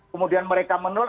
kemudian mereka menolak